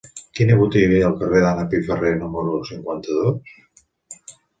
Quina botiga hi ha al carrer d'Anna Piferrer número cinquanta-dos?